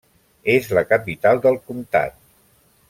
És la capital del comtat.